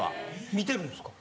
見てるんですか？